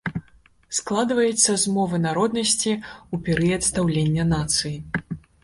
Складваецца з мовы народнасці ў перыяд станаўлення нацыі.